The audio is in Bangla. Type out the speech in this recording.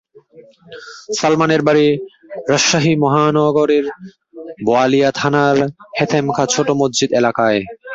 সালমানের বাড়ি রাজশাহী মহানগরের বোয়ালিয়া থানার হেতেম খাঁ ছোট মসজিদ এলাকায়।